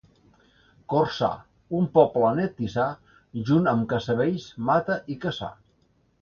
Corçà, un poble net i sa, junt amb Casavells, Mata i Cassà.